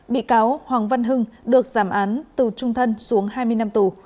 sáu bị cáo hoàng văn hưng được giảm án tù trung thân xuống hai mươi năm tù